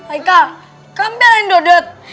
aika kamu belain dodot